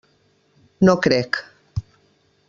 No crec.